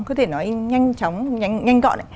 có thể nói nhanh chóng nhanh gọn